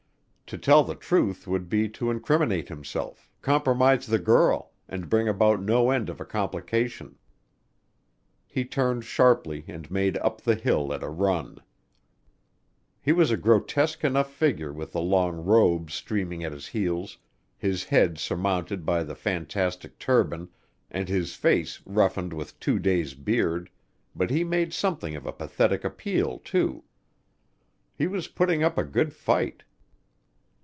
To tell the truth would be to incriminate himself, compromise the girl, and bring about no end of a complication. He turned sharply and made up the hill at a run. He was a grotesque enough figure with the long robe streaming at his heels, his head surmounted by the fantastic turban, and his face roughened with two days' beard, but he made something of a pathetic appeal, too. He was putting up a good fight.